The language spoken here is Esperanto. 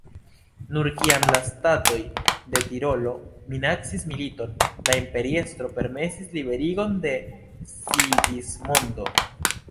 Nur kiam la statoj de Tirolo minacis militon, la imperiestro permesis liberigon de Sigismondo.